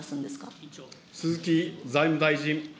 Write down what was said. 鈴木財務大臣。